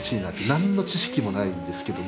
何の知識もないんですけども。